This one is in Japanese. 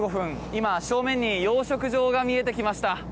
今、正面に養殖場が見えてきました。